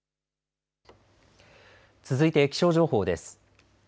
続いて気象情報です。